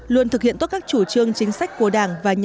luôn thực hiện tốt các chủ trương chính sách của đảng và nhà nước